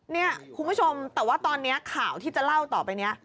เนี่ยคุณผู้ชมแต่ว่าตอนนี้ข่าวที่จะเล่าต่อไปนี้